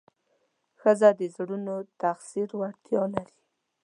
ښځه د زړونو د تسخیر وړتیا لري.